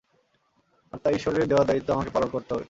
আর তাই ঈশ্বরের দেয়া দায়িত্ব আমাকে পালন করতে হবে।